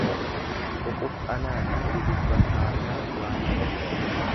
Ququphanaafi dudubbataarraa waa dhaga'u.